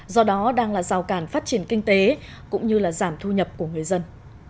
do đó đang là rào cản phát triển kinh tế cũng như là giảm thu nhập của người dân